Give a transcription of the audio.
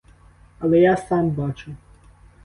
Але я сам бачу.